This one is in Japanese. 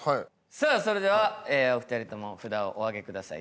さあそれではお２人とも札をお上げください。